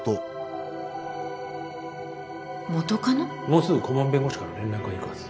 もうすぐ顧問弁護士から連絡がいくはず。